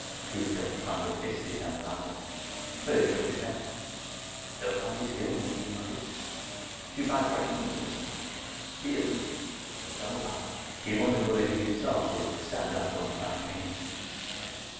Truesdale clambered hastily down the ladder. Phillips shook his head. "Don't know what use he'll be," he muttered. "Too bad Brecken wouldn't listen. He at least ... oh, well!" He wondered whether he himself would stand up when the time came.